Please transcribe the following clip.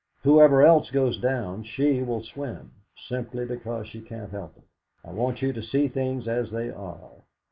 Whoever else goes down, she will swim, simply because she can't help it. I want you to see things as they are.